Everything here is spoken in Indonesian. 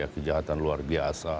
kejahatan luar biasa